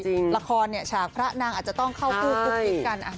แล้วบางทีละครเนี่ยฉากพระนางอาจจะต้องเข้าคู่คุกนิดกัน